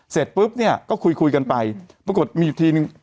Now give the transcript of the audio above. เสร็จปุ๊บเนี่ยก็คุยคุยกันไปปรากฏมีอยู่ทีนึง